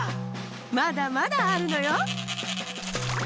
まだまだあるのよ！